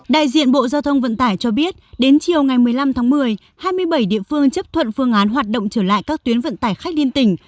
đại diện bộ giao thông vận tải cho biết đến chiều ngày một mươi năm tháng một mươi hai mươi bảy địa phương chấp thuận phương án hoạt động trở lại các tuyến vận tải khách liên tỉnh